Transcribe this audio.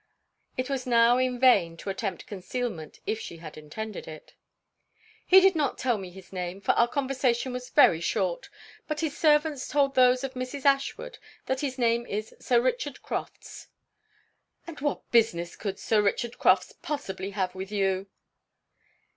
It was now in vain to attempt concealment if she had intended it. 'He did not tell me his name, for our conversation was very short; but his servants told those of Mrs. Ashwood that his name is Sir Richard Crofts.' 'And what business could Sir Richard Crofts possibly have with you?'